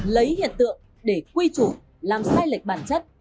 lấy hiện tượng để quy chủ làm sai lệch bản chất